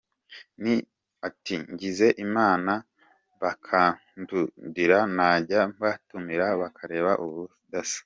Ati "Ngize Imana bakankundira najya mbatumira bakareba ubudasa.